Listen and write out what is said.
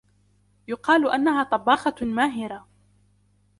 يقال انها طباخة ماهرة.